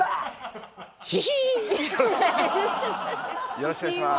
よろしくお願いします。